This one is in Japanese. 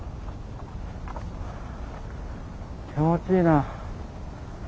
気持ちいいな。